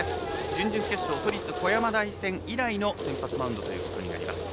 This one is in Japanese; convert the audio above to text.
準々決勝、小山台戦以来の先発マウンドということになります。